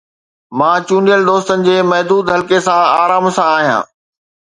مان چونڊيل دوستن جي محدود حلقي سان آرام سان آهيان.